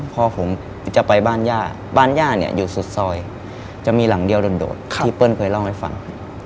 พ่อผมจะไปบ้านย่าบ้านย่าเนี่ยอยู่สุดซอยจะมีหลังเดียวโดดที่เปิ้ลเคยเล่าให้ฟัง